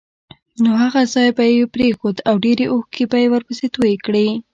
نو هغه ځای به یې پرېښود او ډېرې اوښکې به یې ورپسې تویې کړې.